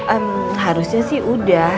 ehm harusnya sih udah